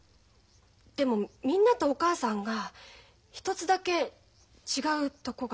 でもみんなとお母さんが一つだけ違うとこがある。